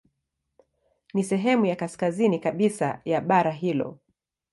Ni sehemu ya kaskazini kabisa ya bara hilo.